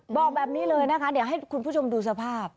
บอกแบบนี้เลยนะคะเดี๋ยวให้คุณผู้ชมดูสภาพ